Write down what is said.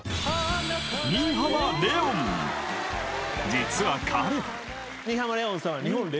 ［実は彼］